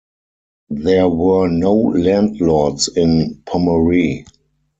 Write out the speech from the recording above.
There were no landlords in Pomor'e.